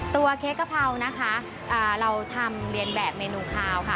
เค้กกะเพรานะคะเราทำเรียนแบบเมนูคาวค่ะ